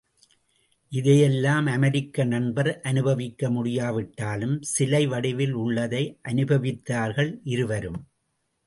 இதை எல்லாம் அமெரிக்க நண்பர் அனுபவிக்க முடியாவிட்டாலும், சிலை வடிவில் உள்ளதை அனுபவித்தார்கள் இருவரும்.